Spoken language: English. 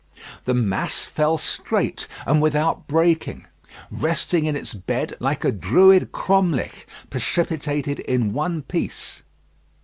The mass fell straight, and without breaking; resting in its bed like a Druid cromlech precipitated in one piece.